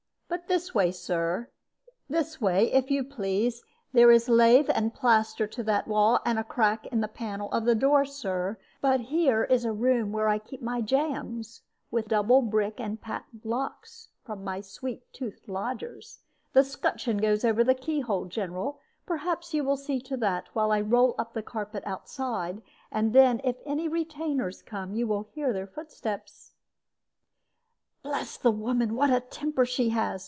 But this way, Sir; this way, if you please. There is lath and plaster to that wall, and a crack in the panel of the door, Sir. But here is a room where I keep my jams, with double brick and patent locks, from sweet toothed lodgers. The 'scutcheon goes over the key hole, General. Perhaps you will see to that, while I roll up the carpet outside; and then, if any retainers come, you will hear their footsteps." "Bless the woman, what a temper she has!"